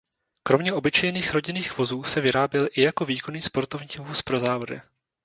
Kromě obyčejných rodinných vozů se vyráběl i jako výkonný sportovní vůz pro závody.